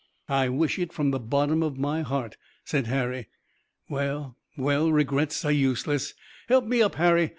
"I wish it from the bottom of my heart," said Harry. "Well, well, regrets are useless. Help me up, Harry.